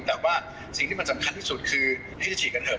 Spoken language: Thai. แต่ว่าสิ่งที่มันสำคัญที่สุดคือให้จะฉีดกันเถ